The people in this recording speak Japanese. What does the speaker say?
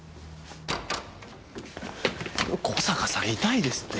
小坂さん痛いですって。